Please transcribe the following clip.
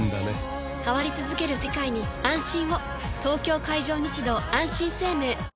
東京海上日動あんしん生命